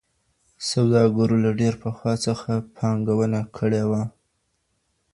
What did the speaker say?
سوداګرو له ډير پخوا څخه پانګونه کړې وه.